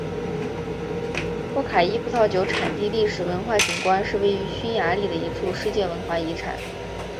托卡伊葡萄酒产地历史文化景观是位于匈牙利的一处世界文化遗产。